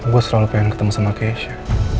gue selalu pengen ketemu sama keisha